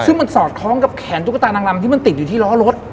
ซึ่งมันสอดคล้องกับแขนตุ๊กตานางลำที่มันติดอยู่ที่ล้อรถ